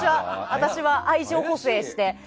私は愛情補正して。